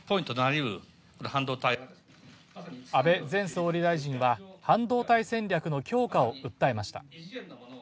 安倍前総理大臣は半導体戦略の強化を訴えました。